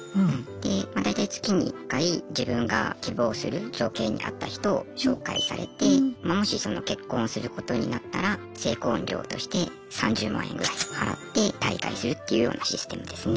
まあ大体月に１回自分が希望する条件に合った人を紹介されてまもし結婚することになったら成婚料として３０万円ぐらい払って退会するっていうようなシステムですね。